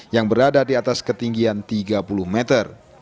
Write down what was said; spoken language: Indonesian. yang berada di atas ketinggian tiga puluh meter